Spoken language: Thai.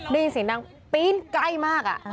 ได้ยินเสียงดังปีนใกล้มาก